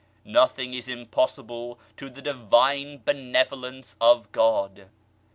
Nothing is impossible to the Divine Benevolence of God.